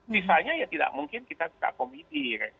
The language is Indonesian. sisanya ya tidak mungkin kita komitir